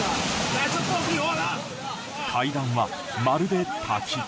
階段は、まるで滝。